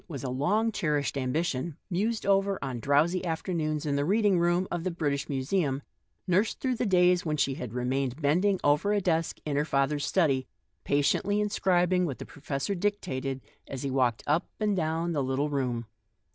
61 was a long cherished ambition, mused over on long, drowsy afternoons in the reading room of the British Museum, nursed during the days when she had remained bending over a desk in her father's study, patiently inscribing what the professor dictated as he walked up and down the little room.